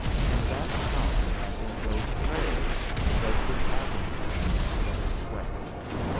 In that time, and in those prayers, was his agony and bloody sweat.